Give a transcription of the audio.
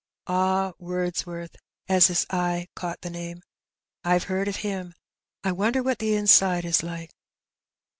Ah, Wordsworth !" as his eye caught the name. '^Vve heard of him. I wonder what the inside is like